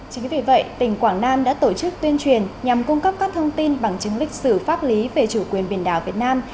chính vì vậy tỉnh quảng nam đã tổ chức tuyên truyền nhằm cung cấp các thông tin bằng chứng lịch sử pháp lý về chủ quyền biển đảo việt nam